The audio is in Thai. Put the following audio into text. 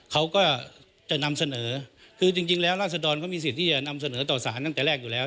เขาก็จะนำเสนอคือจริงแล้วราศดรเขามีสิทธิ์ที่จะนำเสนอต่อสารตั้งแต่แรกอยู่แล้ว